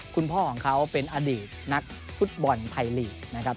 คุณพ่อของเขาเป็นอดีตนักฟุตบอลไทยลีกนะครับ